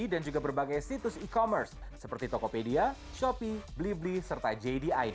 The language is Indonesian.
dan juga berbagai situs e commerce seperti tokopedia shopee blibli serta jd id